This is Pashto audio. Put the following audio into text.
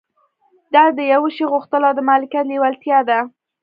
دا د يوه شي غوښتل او د مالکيت لېوالتيا ده.